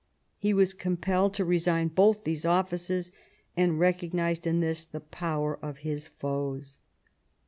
He was compelled to resign both these offices, and recognised in this the power of his foes.